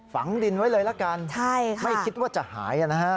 ฝังดินไว้เลยละกันไม่คิดว่าจะหายนะฮะ